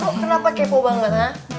kok kenapa kepo banget ha